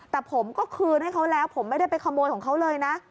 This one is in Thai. แต่ผมก็คืนให้เขาแล้วผมไม่ได้ไปขโมยของเขาเลยนะ